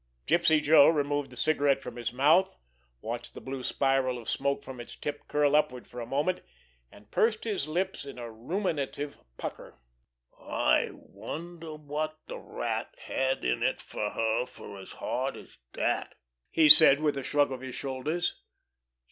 Gypsy Joe removed the cigarette from his mouth, watched the blue spiral of smoke from its tip curl upward for a moment, and pursed his lips in a ruminative pucker. "I wonder wot de Rat had it in fer her fer as hard as dat?" he said, with a shrug of his shoulders.